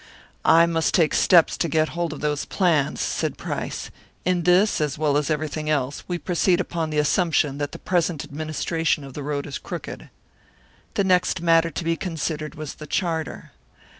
"I must take steps to get hold of those plans," said Price. "In this, as well as everything else, we proceed upon the assumption that the present administration of the road is crooked." The next matter to be considered was the charter.